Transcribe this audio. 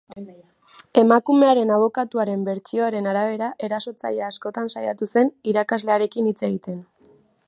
Emakumearen abokatuaren bertsioaren arabera, erasotzailea askotan saiatu zen irakaslearekin hitz egiten.